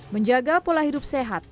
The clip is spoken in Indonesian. menjaga pola hidup sehat